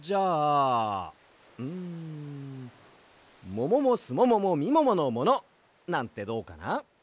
もももすもももみもものもの！なんてどうかな？